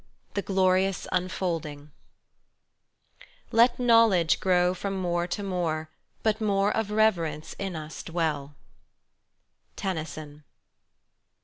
The Glorious Unfolding Let knowledge grow from more to more, but more of reverence in us dwell. Tennyson.